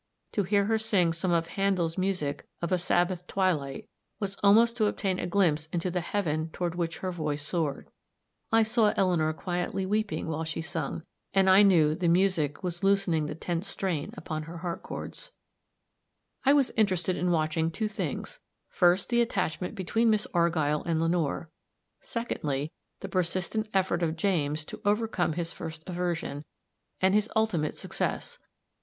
To hear her sing some of Handel's music, of a Sabbath twilight, was almost to obtain a glimpse into the heaven toward which her voice soared. I saw Eleanor quietly weeping while she sung, and I knew the music was loosening the tense strain upon her heart chords. [Illustration: Page 161. "WELL, HOW DO YOU LIKE MY LOOKS, RICHARD?"] I was interested in watching two things first, the attachment between Miss Argyll and Lenore; secondly, the persistent effort of James to overcome his first aversion, and his ultimate success.